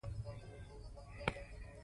دا ژبه به هیڅکله درواغ ونه وایي.